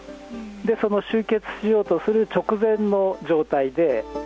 その集結しようとする直前の状態で。